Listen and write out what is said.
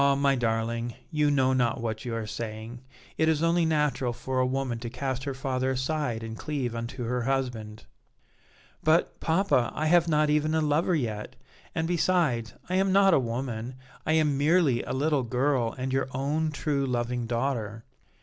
my darling, you know not what you are saying; it is only natural for a woman to cast her father aside and cleave unto her husband." "But, papa, I have not even a lover yet, and, besides, I am not a woman; I am merely a little girl and your own, true, loving daughter."